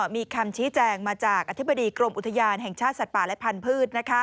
มีคำชี้แจงมาจากอธิบดีกรมอุทยานแห่งชาติสัตว์ป่าและพันธุ์